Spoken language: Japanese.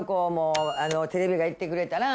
テレビが行ってくれたら。